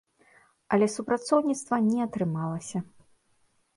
Але супрацоўніцтва не атрымалася.